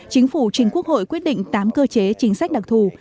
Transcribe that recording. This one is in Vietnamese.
chính phủ trình quốc hội quyết định tám cơ chế chính sách đặc thù